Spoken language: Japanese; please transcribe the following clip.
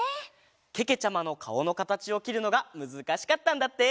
けけちゃまのかおのかたちをきるのがむずかしかったんだって。